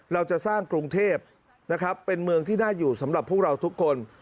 เราจะสร้างกรุงเทพนะครับเป็นเมืองที่น่าอยู่สำหรับพวกเราทุกคน